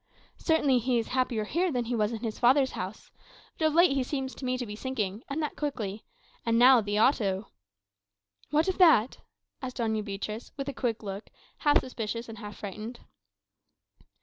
"Certainly he is happier here than he was in his father's house. But of late he seems to me to be sinking, and that quickly. And now, the Auto " "What of that?" asked Doña Beatriz, with a quick look, half suspicious and half frightened.